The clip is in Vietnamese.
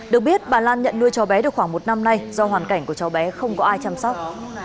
được biết bà lan nhận nuôi cháu bé được khoảng một năm nay do hoàn cảnh của cháu bé không có ai chăm sóc